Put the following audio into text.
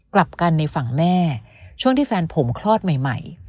กลับกันในฝั่งแม่ช่วงที่แฟนผมคลอดใหม่